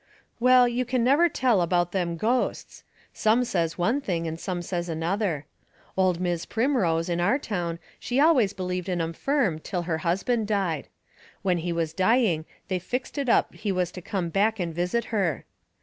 Well, you can never tell about them ghosts. Some says one thing and some says another. Old Mis' Primrose, in our town, she always believed in 'em firm till her husband died. When he was dying they fixed it up he was to come back and visit her.